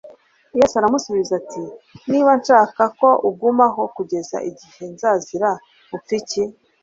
Yesu aramusubiza ati : Niba nshaka ko agumaho kugeza igihe nzazira upfa iki?